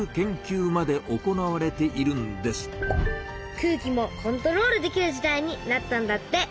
空気もコントロールできる時代になったんだって。